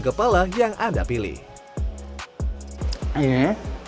kepala yang anda pilih eh